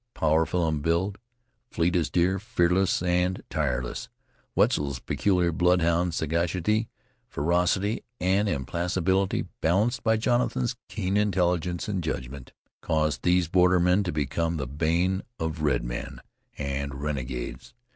Powerful in build, fleet as deer, fearless and tireless, Wetzel's peculiar bloodhound sagacity, ferocity, and implacability, balanced by Jonathan's keen intelligence and judgment caused these bordermen to become the bane of redmen and renegades.